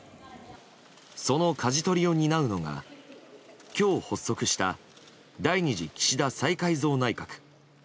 そのかじ取りを担うのが今日、発足した第２次岸田再改造内閣。